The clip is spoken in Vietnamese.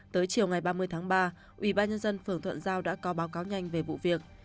tới chiều ngày ba mươi tháng ba ubnd phường thuận giao đã có báo cáo nhanh về vụ việc